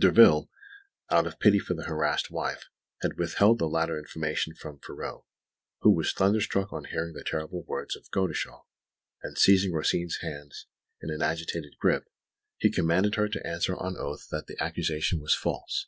Derville, out of pity for the harassed wife, had withheld the latter information from Ferraud, who was thunderstruck on hearing the terrible words of Godeschal; and seizing Rosine's hands in an agitated grip, he commanded her to answer on oath that the accusation was false.